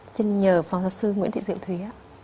xin nhờ phó giáo sư nguyễn thị diệu thúy ạ